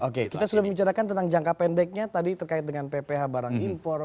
oke kita sudah membicarakan tentang jangka pendeknya tadi terkait dengan pph barang impor